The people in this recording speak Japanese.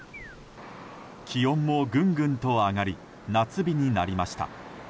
気温もぐんぐんと上がり夏日になりました。